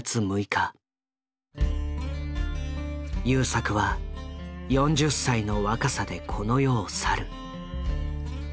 優作は４０歳の若さでこの世を去る。